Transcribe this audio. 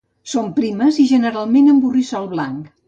Són primes i generalment amb borrissol blanc.